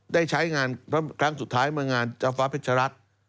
ได้ใช้งานครั้งสุดท้ายเมื่องานเจ้าฟ้าเพชรัตน์